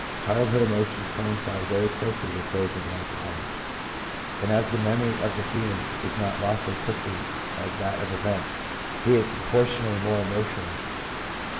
Childhood emotions coincide very closely with those of the alcoholic, and as the memory of the feelings is not lost so quickly as that of events, he is proportionally more emotional.